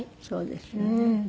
そうですね。